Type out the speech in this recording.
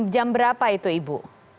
jam berapa itu ibu